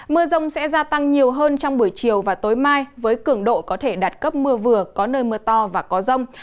mưa rông sẽ gia tăng nhiều hơn trong buổi chiều và tối mai với cường độ có thể đạt cấp mưa vừa có nơi mưa to và có rông